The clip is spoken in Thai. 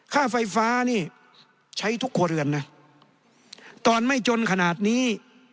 ค่าไฟฟ้านี่ใช้ทุกครัวเรือนนะตอนไม่จนขนาดนี้